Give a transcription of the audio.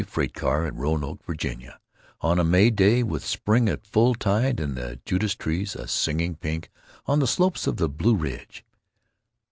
freight car at Roanoke, Virginia, on a May day, with spring at full tide and the Judas trees a singing pink on the slopes of the Blue Ridge.